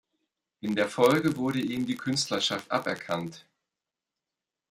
In der Folge wurde ihm die Künstlerschaft aberkannt.